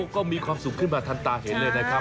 ก็มีความสุขขึ้นมาทันตาเห็นเลยนะครับ